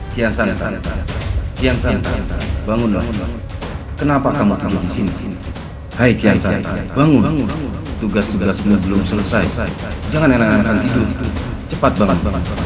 kian santai kian santai bangunlah kenapa kamu disini hai kian santai bangunlah tugas tugasmu belum selesai jangan enakan tidur cepat banget